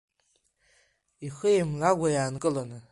Ихы еимлагәа иаанкыланы.